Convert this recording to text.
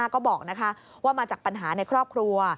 ก็บอกว่ามาจากปัญหาในครอบครัว